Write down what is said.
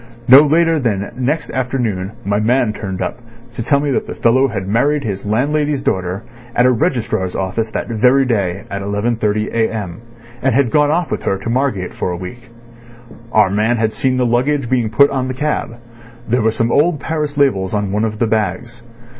No later than next afternoon my man turned up to tell me that the fellow had married his landlady's daughter at a registrar's office that very day at 11.30 a.m., and had gone off with her to Margate for a week. Our man had seen the luggage being put on the cab. There were some old Paris labels on one of the bags.